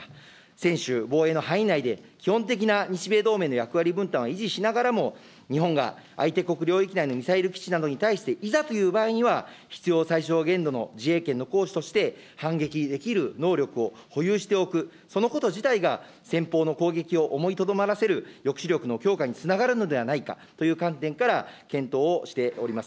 専守防衛の範囲内で、基本的な日米同盟の役割分担は維持しながらも、日本が相手国領域内のミサイル基地などに対して、いざという場合には、必要最小限度の自衛権の行使として、反撃できる能力を保有しておく、そのこと自体が、先方の攻撃を思いとどまらせる抑止力の強化につながるのではないかという観点から検討をしております。